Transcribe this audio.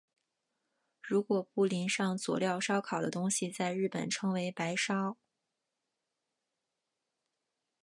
如果不淋上佐料烧烤的东西在日本称为白烧。